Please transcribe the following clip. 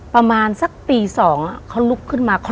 ประมาณสักตี๒เขาลุกขึ้นมา